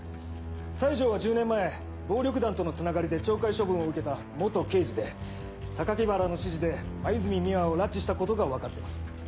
西城は１０年前暴力団とのつながりで懲戒処分を受けた刑事で原の指示で黛美羽を拉致したことが分かってます。